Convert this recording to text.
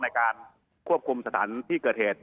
ในการควบคุมสถานที่เกิดเหตุ